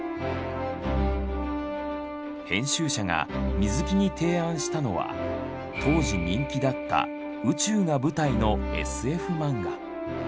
編集者が水木に提案したのは当時人気だった宇宙が舞台のＳＦマンガ。